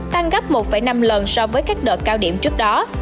tăng gấp một năm lần so với các đợt cao điểm trước đó